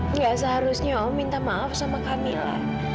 enggak seharusnya om minta maaf sama kamila